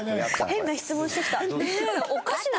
変な質問してきた。